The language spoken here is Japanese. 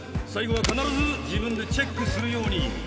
最後は必ず自分でチェックするように。